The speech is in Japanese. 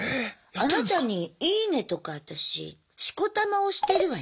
あなたに「いいね」とか私しこたま押してるわよ。